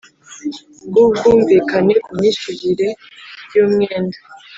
Bw ubwumvikane ku myishyurire y umwenda